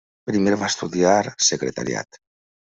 Primer va estudiar Secretariat.